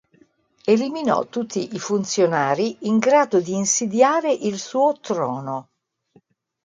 Eliminò tutti i funzionari in grado di insidiare il suo trono.